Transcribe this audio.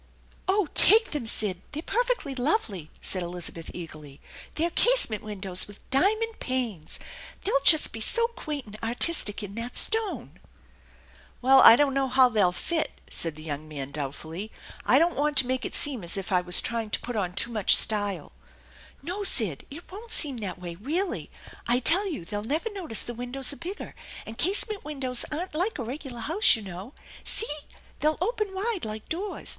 "Oh, take them, Sid! They're perfectly lovely," said Elizabeth eagerly. " They're casement windows with diamond panes. They'll just be so quaint and artistic in that stone !"" Well, I don't know how they'll fit," said the young man doubtfully. " I don't want to make it seem as if I was trying to put on too much style." " No, Sid, it won't seem that way, really. I tell you they'll never notice the windows are bigger, and casement windows aren't like a regular house, you know. See, they'll open wide like doors.